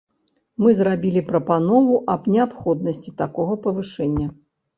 Мы зрабілі прапанову аб неабходнасці такога павышэння.